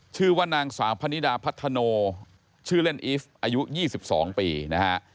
ชื่อว่านางสาวพนิดาพัฒโนชื่อเล่นอีฟอายุ๒๒ปีนะฮะ